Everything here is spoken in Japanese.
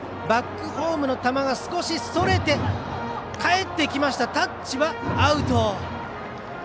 バックホームの球が少しそれてかえってきましたがタッチアウト！